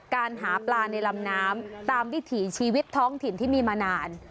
การหาปลาในลำน้ำตามวิถีชีวิตท้องถิ่นที่มีมานาน